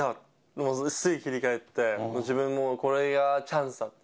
もうすぐ切り替えて、自分もこれがチャンスだって。